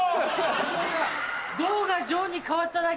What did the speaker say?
「堂」が「城」に変わっただけ！